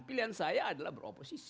pilihan saya adalah beroposisi